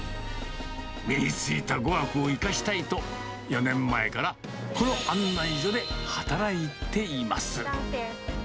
身についた語学を生かしたいと、４年前からこの案内所で働いています。